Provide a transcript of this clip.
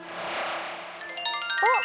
あっ！